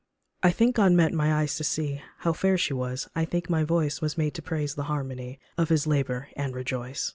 I think God meant my eyes to see How fair she was, I think my voice Was made to praise the harmony Of this His labour, and rejoice.